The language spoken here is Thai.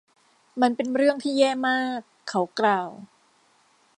มันเป็นเรื่องที่แย่มาก เขากล่าว